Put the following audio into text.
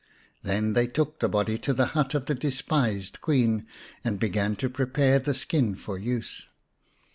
Then they took the body to the hut of the despised Queen, and began to prepare the skin for use.